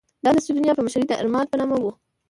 دا د سیدونیا په مشرۍ د ارمادا په نامه وه.